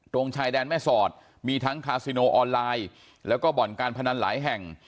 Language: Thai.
ชายแดนแม่สอดมีทั้งคาซิโนออนไลน์แล้วก็บ่อนการพนันหลายแห่ง